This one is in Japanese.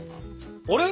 あれ！？